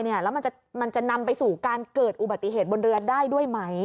แล้วมันจะนำไปสู่การเกิดอุบัติเหตุบนเรือได้ด้วยไหม